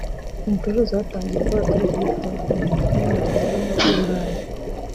Imvururu zatangiye ubwo abaturage bifuzaga kongera ubufatanye n’Umuryango w’Ubumwe bw’u Burayi